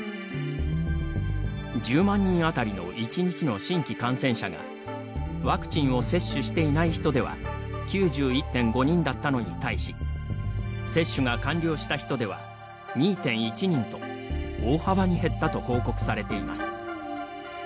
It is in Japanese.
１０万人当たりの１日の新規感染者がワクチンを接種していない人では９１．５人だったのに対し接種が完了した人では２．１人と大幅に減ったと報告されています。